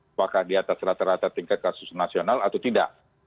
apakah di atas rata rata tingkat kasus nasional atau tidak